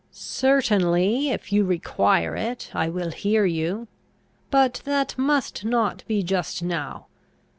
"Certainly, if you require it, I will hear you. But that must not be just now.